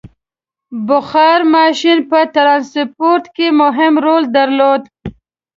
• بخار ماشین په ټرانسپورټ کې مهم رول درلود.